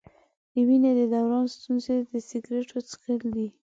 د وینې د دوران ستونزې د سګرټو څښل دي.